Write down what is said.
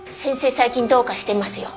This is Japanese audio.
最近どうかしてますよ。